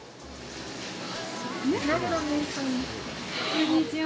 こんにちは。